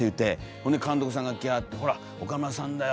ほんで監督さんが来はって「ほら岡村さんだよ